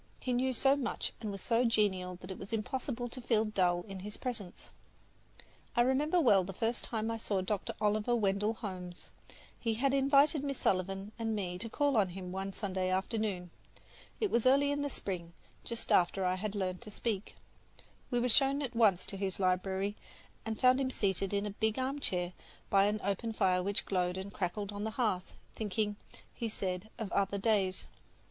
He knew so much and was so genial that it was impossible to feel dull in his presence. I remember well the first time I saw Dr. Oliver Wendell Holmes. He had invited Miss Sullivan and me to call on him one Sunday afternoon. It was early in the spring, just after I had learned to speak. We were shown at once to his library where we found him seated in a big armchair by an open fire which glowed and crackled on the hearth, thinking, he said, of other days.